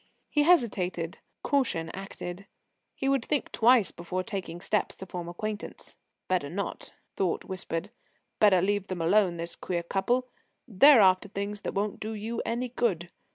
He hesitated. Caution acted. He would think twice before taking steps to form acquaintance. "Better not," thought whispered. "Better leave them alone, this queer couple. They're after things that won't do you any good."